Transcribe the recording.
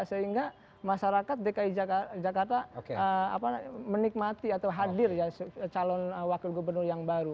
sehingga masyarakat dki jakarta menikmati atau hadir calon wakil gubernur yang baru